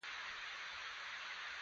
د خپل سفر معلومات په خپله حاصل کړي.